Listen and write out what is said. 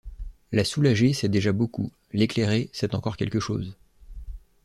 La soulager, c’est déjà beaucoup ; l’éclairer, c’est encore quelque chose.